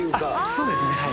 そうですね。